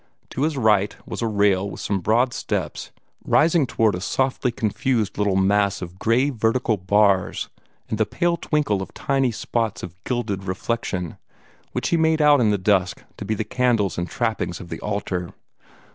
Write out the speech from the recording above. To his right was a rail and some broad steps rising toward a softly confused mass of little gray vertical bars and the pale twinkle of tiny spots of gilded reflection, which he made out in the dusk to be the candles and trappings of the altar.